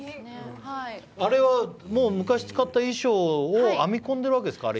あれは昔使った衣装を編み込んでるわけですか。